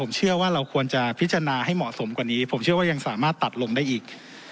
เชื่อว่าเราควรจะพิจารณาให้เหมาะสมกว่านี้ผมเชื่อว่ายังสามารถตัดลงได้อีก